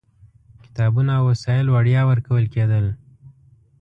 کتابونه او وسایل وړیا ورکول کېدل.